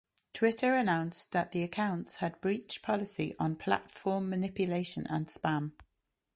Twitter announced that the accounts had breached "policy on platform manipulation and spam".